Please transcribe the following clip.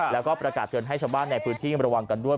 แล้วก็ประกาศเถินให้ช้าบ้านในพื้นที่เตรียมระวังกันด้วย